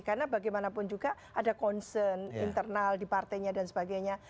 karena bagaimanapun juga ada concern internal di partainya dan sebagainya